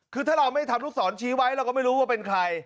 คือถ้าเราไม่ทำลูกศรชี้ไว้เราก็ไม่รู้ว่าเป็นใคร